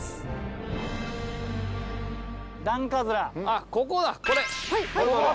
あっここだこれ。